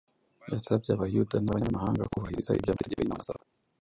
yasabye Abayuda n’Abanyamahanga kubahiriza ibyo amategeko y’Imana asaba,